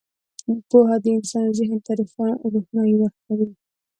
• پوهه د انسان ذهن ته روښنايي ورکوي.